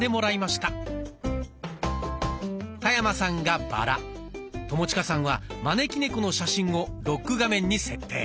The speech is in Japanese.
田山さんがバラ友近さんは招き猫の写真をロック画面に設定。